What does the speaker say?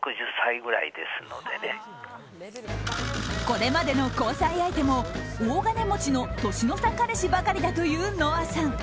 これまでの交際相手も大金持ちの年の差彼氏ばかりだというノアさん。